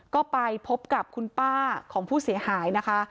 ก็ไปพบกับคุณป้าของผู้เสียหายนะคะ